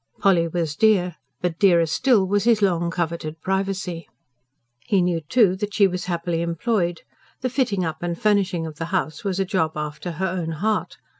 Polly was dear; but dearer still was his long coveted privacy. He knew, too, that she was happily employed; the fitting up and furnishing of the house was a job after her own heart.